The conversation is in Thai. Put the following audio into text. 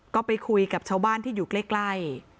ก็ไปคุยกับชาวบ้านที่อยู่ใกล้